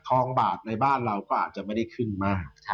บาทในบ้านเราก็อาจจะไม่ได้ขึ้นมาก